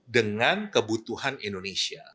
dengan kebutuhan indonesia